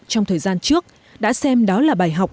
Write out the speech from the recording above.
trong thời gian trước đã xem đó là bài học